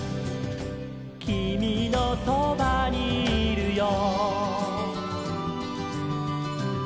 「きみのそばにいるよ」